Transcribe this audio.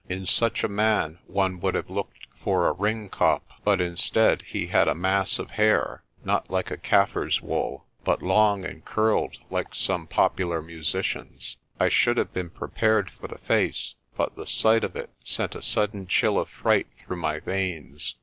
In such a man one would have looked for a ring kopj* but instead he had a mass of hair, not like a Kaffir's wool, but long and curled like some popular musician's. I should have been prepared for the face, but the sight of it sent a sudden chill of fright through my veins.